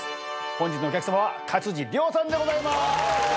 本日のお客さまは勝地涼さんでございます。